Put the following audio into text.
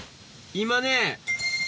今ね。